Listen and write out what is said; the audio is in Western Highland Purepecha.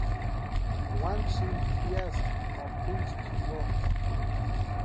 Wani sïmpa piaska pari kwʼinchikwa jimpo.